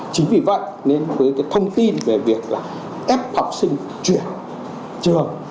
chính vì vậy nên với thông tin về việc ép học sinh chuyển trường